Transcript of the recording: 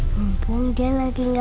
mumpung dia lagi gak pergi pergi lagi